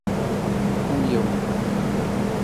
_کوم يو؟